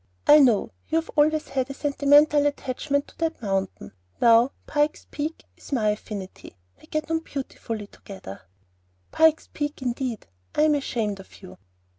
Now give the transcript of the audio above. "I know; you have always had a sentimental attachment to that mountain. Now Pike's Peak is my affinity. We get on beautifully together." "Pike's Peak indeed! I am ashamed of you."